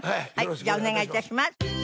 じゃあお願い致します。